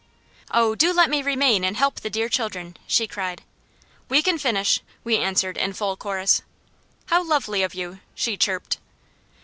"Oh do let me remain and help the dear children!" she cried. "We can finish!" we answered in full chorus. "How lovely of you!" she chirped.